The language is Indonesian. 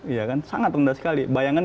iya kan sangat rendah sekali bayangan